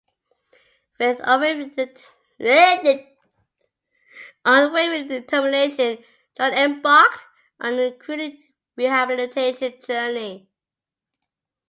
With unwavering determination, John embarked on a grueling rehabilitation journey.